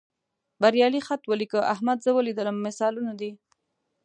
بریالي خط ولیکه، احمد زه ولیدلم مثالونه دي.